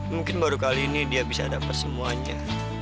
mungkin baru kali ini dia bisa dapat semuanya